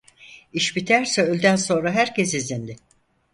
İş biterse öğleden sonra herkes izinli.